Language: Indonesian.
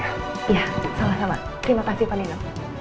iya sama sama terima kasih pak nino